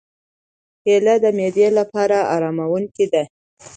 کېله د معدې لپاره آراموونکې ده.